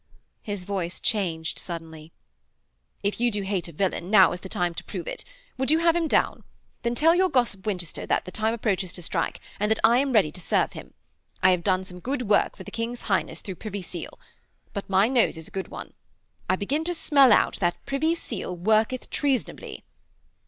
His voice changed suddenly: 'If you do hate a villain, now is the time to prove it. Would you have him down? Then tell your gossip Winchester that the time approaches to strike, and that I am ready to serve him. I have done some good work for the King's Highness through Privy Seal. But my nose is a good one. I begin to smell out that Privy Seal worketh treasonably.'